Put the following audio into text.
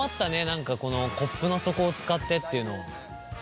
何かこのコップの底を使ってっていうの。